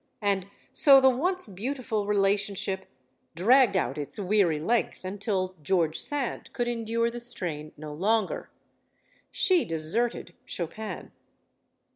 And so the once beautiful relationship dragged out its weary length until George Sand could endure the strain no longer. She deserted Chopin.